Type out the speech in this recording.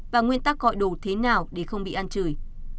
và nguyên tắc gọi đồ thế nào để không bị ăn trời